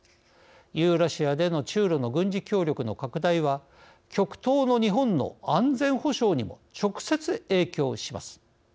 ユーラシアでの中ロの軍事協力の拡大は極東の日本の安全保障にも直接、影響します。